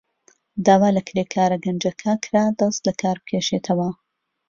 داوا لە کرێکارە گەنجەکە کرا دەست لەکار بکێشێتەوە.